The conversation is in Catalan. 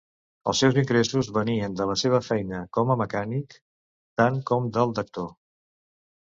Els seus ingressos venien de la seva feina com a mecànic, tant com del d'actor.